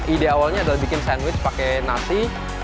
ide awalnya adalah bikin sandwich pakai nasi